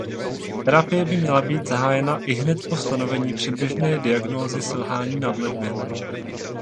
Terapie by měla být zahájena ihned po stanovení předběžné diagnózy selhání nadledvin.